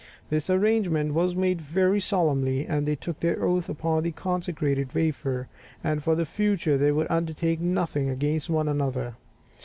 This arrangement was made very solemnly, and they took their oath upon the consecrated wafer, that for the future they would undertake nothing against one another.